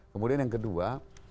kemudian yang kedua